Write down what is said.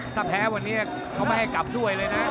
ถ้าแพ้วันนี้เขาไม่ให้กลับด้วยเลยนะ